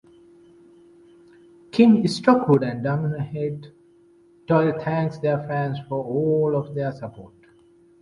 Kim Stockwood and Damhnait Doyle thanked their fans for all of their support.